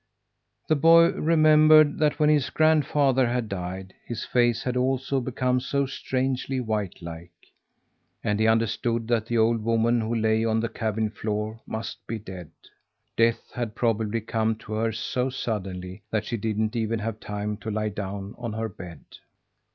The boy remembered that when his grandfather had died, his face had also become so strangely white like. And he understood that the old woman who lay on the cabin floor must be dead. Death had probably come to her so suddenly that she didn't even have time to lie down on her bed.